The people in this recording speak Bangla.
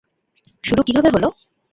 শুরু কীভাবে হলো?